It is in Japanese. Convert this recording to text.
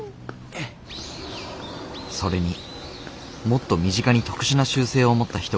それにもっと身近に特殊な習性を持った人がいる。